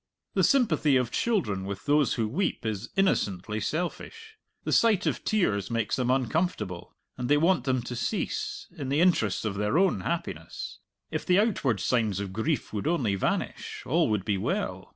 The sympathy of children with those who weep is innocently selfish. The sight of tears makes them uncomfortable, and they want them to cease, in the interests of their own happiness. If the outward signs of grief would only vanish, all would be well.